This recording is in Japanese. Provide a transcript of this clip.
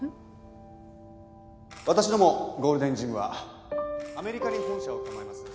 私どもゴールデンジムはアメリカに本社を構えます。